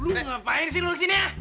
lu ngapain sih lu disini ya